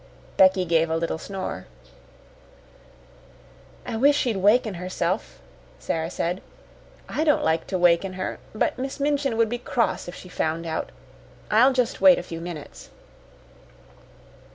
Becky gave a little snore. "I wish she'd waken herself," Sara said. "I don't like to waken her. But Miss Minchin would be cross if she found out. I'll just wait a few minutes."